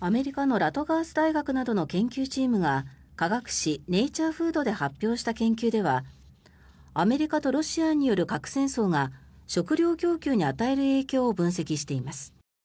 アメリカのラトガース大学などの研究チームが科学誌「ネイチャー・フード」で発表した研究ではアメリカとロシアによる核戦争が食料供給に与える影響を分析しています。